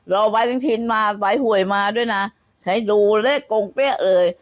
รอวัยสังชินมาวัยห่วยมาด้วยนะให้ดูเลขกรงเป๊ะเลย